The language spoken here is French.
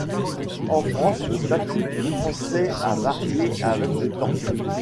En France, le statut du français a varié avec le temps.